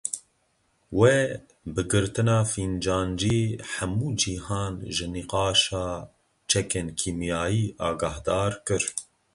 We bi girtina Fîncanci hemû cîhan ji nîqaşa çekên kîmyayî agahdar kir.